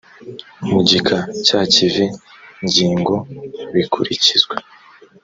mu gika cya cy iyi ngingo bikurikizwa